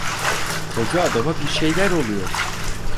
Koca adama bir şeyler oluyor!